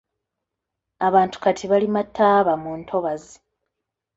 Abantu kati balima ttaaba mu ntobazi.